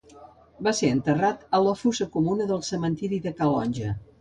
Va ser enterrat a la fossa comuna del cementiri de Calonge.